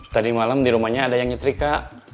tadi malam di rumahnya ada yang nyetrika